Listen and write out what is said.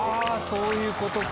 そういうことか。